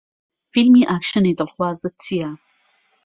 فیلمی ئاکشنی دڵخوازت چییە؟